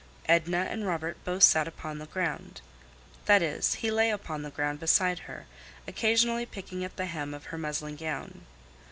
Edna and Robert both sat upon the ground—that is, he lay upon the ground beside her, occasionally picking at the hem of her muslin gown.